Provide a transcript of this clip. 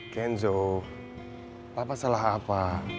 genzo papa salah apa